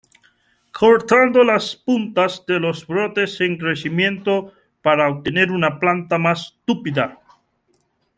Cortando las puntas de los brotes en crecimiento para obtener una planta más tupida.